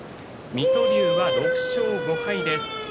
水戸龍は６勝５敗です。